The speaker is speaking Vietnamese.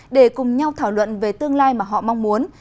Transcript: để cùng nhau thảo luận về tương lai mà họ mong muốn